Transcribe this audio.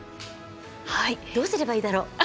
どうすればいいだろう。